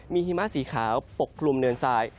มีหิมะสีขาวปกคลุมเนินทราย